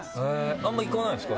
あんま行かないんですか？